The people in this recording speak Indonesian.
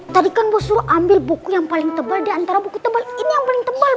tadi kan bu suruh ambil buku yang paling tebal diantara buku tebal ini yang paling tebal